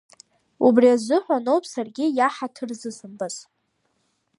Убри азыҳәаноуп саргьы иаҳаҭыр зысымбаз.